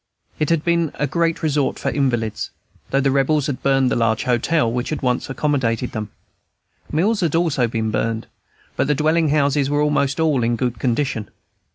It had been a great resort for invalids, though the Rebels had burned the large hotel which once accommodated them. Mills had also been burned; but the dwelling houses were almost all in good condition.